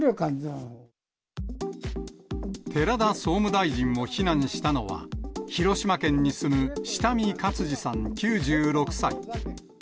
寺田総務大臣を非難したのは、広島県に住む、下見勝二さん９６歳。